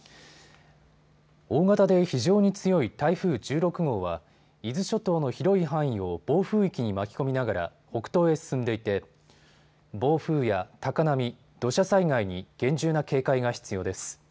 大型で非常に強い台風１６号は伊豆諸島の広い範囲を暴風域に巻き込みながら北東へ進んでいて暴風や高波、土砂災害に厳重な警戒が必要です。